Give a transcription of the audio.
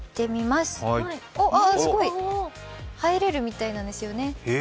すごい、入れるみたいなんですよね。